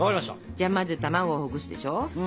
じゃあまずたまごをほぐすでしょ。